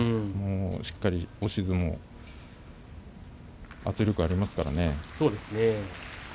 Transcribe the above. しっかりと押し相撲圧力がありますからね。